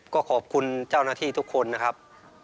ก็ขอบคุณเจ้าหน้าที่ทุกคนนะครับ